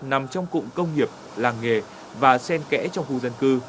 nằm trong cụm công nghiệp làng nghề và sen kẽ trong khu dân cư